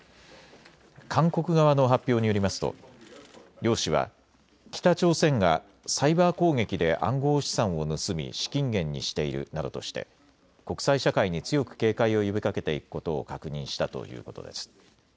韓国側の発表によりますと両氏は北朝鮮がサイバー攻撃で暗号資産を盗み資金源にしているなどとして国際社会に強く警戒を呼びかけていくことを確認したということです。